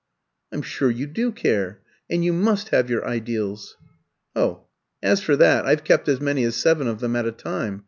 "I'm sure you do care; and you must have your ideals." "Oh, as for that, I've kept as many as seven of them at a time.